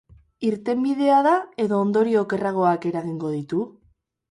Irtenbidea da edo ondorio okerragoak eragingo ditu?